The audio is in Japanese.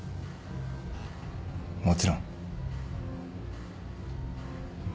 もちろん。